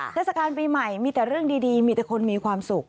เทศกาลปีใหม่มีแต่เรื่องดีมีแต่คนมีความสุข